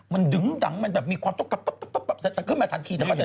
มันดึงดังมันแบบมีความต้องการขึ้นมาทันที